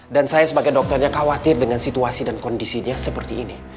saya sebagai dokternya khawatir dengan situasi dan kondisinya seperti ini